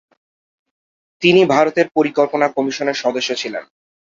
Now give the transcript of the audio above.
তিনি ভারতের পরিকল্পনা কমিশনের সদস্যও ছিলেন।